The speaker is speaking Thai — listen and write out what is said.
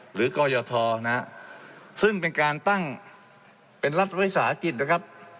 กรยทนะซึ่งเป็นการตั้งเป็นรัฐวิสาหกิจนะครับ